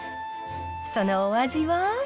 そのお味は？